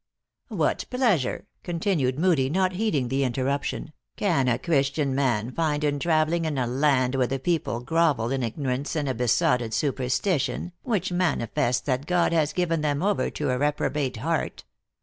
" What pleasure," continued Moodie, not heeding the interruption, " can a Christian man find in trav eling in a land where the people grovel in ignorance and a besotted superstition, which manifests that God THE ACTKESS IN HIGH LIFE. 197 has given them over to a reprobate heart.